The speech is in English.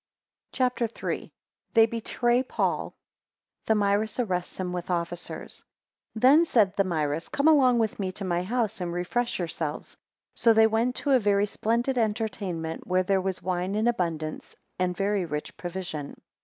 CHAPTER III. 1 They betray Paul. 7 Thamyris arrests him with officers. THEN said Thamyris, Come along with me to my house, and refresh yourselves. So they went to a very splendid entertainment, where there was wine in abundance, and very rich provision.